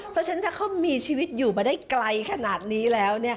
เพราะฉะนั้นถ้าเขามีชีวิตอยู่มาได้ไกลขนาดนี้แล้ว